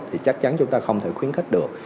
thì chắc chắn chúng ta không thể khuyến khích được